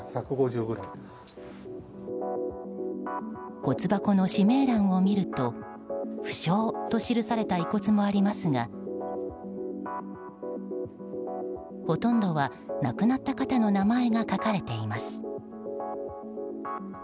骨箱の氏名欄を見ると不詳と記された遺骨もありますがほとんどは亡くなった方の名前が書かれています。